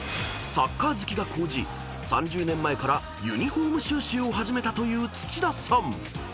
［サッカー好きが高じ３０年前からユニフォーム収集を始めたという土田さん］